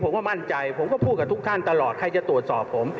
ผมก็มั่นใจผมก็พูดกับทุกท่านตลอดใครจะตรวจสอบผม